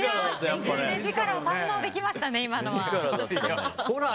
目力を堪能できましたね。